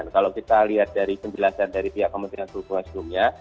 kalau kita lihat dari penjelasan dari pihak kementerian perhubungan sebelumnya